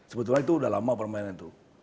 sebetulnya itu udah lama permainan itu